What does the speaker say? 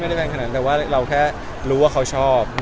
แดงขนาดนั้นแต่ว่าเราแค่รู้ว่าเขาชอบ